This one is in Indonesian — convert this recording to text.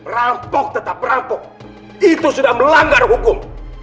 rampok tetap rampok itu sudah melanggar hukum